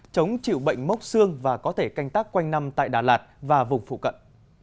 chống chịu bệnh mốc xương và có thể canh tác quanh năm tại đà lạt và vùng phụ cận